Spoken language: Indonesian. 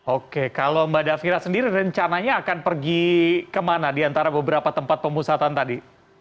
oke kalau mbak davira sendiri rencananya akan pergi kemana di antara beberapa tempat pemusatan tadi